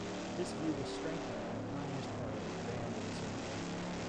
This view was strengthened when the Communist Party was banned in the Soviet Union.